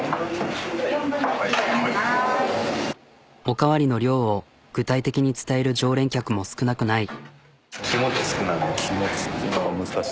おかわりの量を具体的に伝える常連客も少なくない。